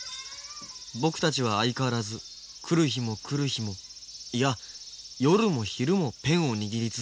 僕たちは相変わらず来る日も来る日もいや夜も昼もペンを握り続けた。